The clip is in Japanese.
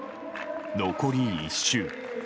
残り１周。